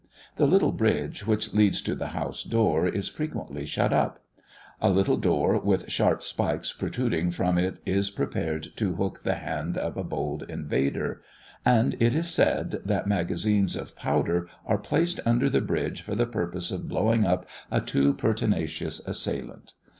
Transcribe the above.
The little bridge which leads to the house door is frequently shut up; a little door with sharp spikes protruding from it is prepared to hook the hand of a bold invader. And it is said, that magazines of powder are placed under the bridge for the purpose of blowing up a too pertinacious assailant.